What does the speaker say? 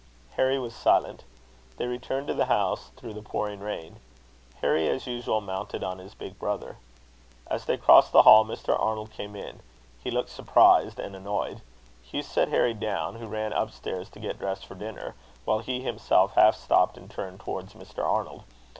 Harry was silent. They returned to the house, through the pouring rain; Harry, as usual, mounted on his big brother. As they crossed the hall, Mr. Arnold came in. He looked surprised and annoyed. Hugh set Harry down, who ran upstairs to get dressed for dinner; while he himself half stopped, and turned towards Mr. Arnold.